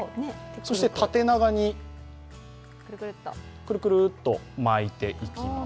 そして縦長にくるくるっと巻いていきます。